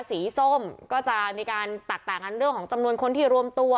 ส้มก็จะมีการแตกต่างกันเรื่องของจำนวนคนที่รวมตัว